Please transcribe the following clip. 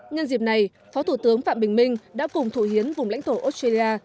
nhân dịp này phó thủ tướng phạm bình minh đã cùng thủ hiến vùng lãnh thổ australia